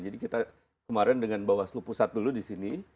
jadi kita kemarin dengan bawaslu pusat dulu di sini